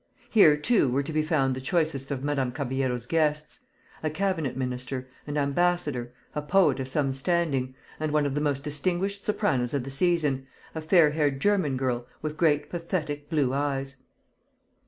Here, too were to be found the choicest of Madame Caballero's guests; a cabinet minister, an ambassador, a poet of some standing, and one of the most distinguished sopranos of the season, a fair haired German girl, with great pathetic blue eyes.